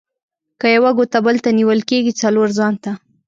که یوه ګوته بل ته نيول کېږي؛ :څلور ځان ته.